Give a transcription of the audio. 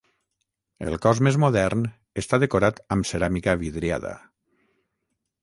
El cos més modern està decorat amb ceràmica vidriada.